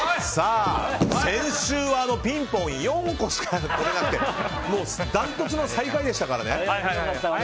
先週のピンポンは４個しか取れなくてダントツの最下位でしたからね。